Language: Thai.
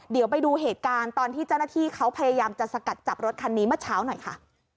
เดี๋ยวไปดูเหตุการณ์ตอนที่เจ้าหน้าที่เขาพยายามจะสกัดจับรถคันนี้เมื่อเช้าหน่อยค่ะ